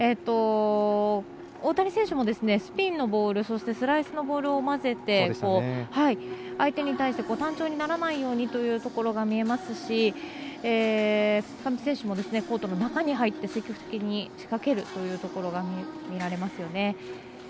大谷選手もスピンのボールそしてスライスのボールを交ぜて相手に対して単調にならないようにというところが見えますし上地選手も、コートの中に入って積極的に仕掛けるというところが見られますよね。